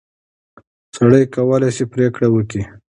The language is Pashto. سړی کولای شي پرېکړه وکړي.